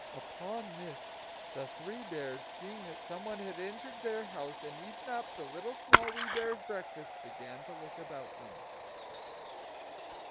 Upon this, the Three Bears, seeing that someone had entered their house, and eaten up the Little Small Wee Bear's breakfast, began to look about them.